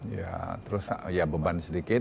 ya terus beban sedikit